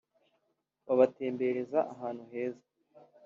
babatembereza ahantu heza